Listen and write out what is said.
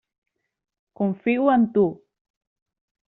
Confio en tu.